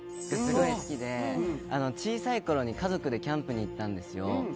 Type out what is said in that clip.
すごい好きで小さいころに家族でキャンプに行ったんですよ。